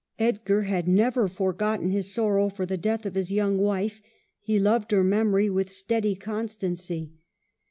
Edgar had never forgotten his sorrow for the death of his young wife ; he loved her memory with steady constancy.